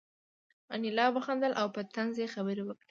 انیلا وخندل او په طنز یې خبرې وکړې